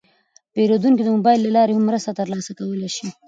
پیرودونکي د موبایل له لارې هم مرسته ترلاسه کولی شي.